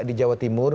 di jawa timur